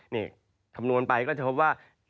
นี่คำนวณไปก็จะพบว่า